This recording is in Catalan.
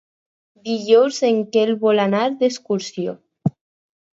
Dijous en Quel vol anar d'excursió.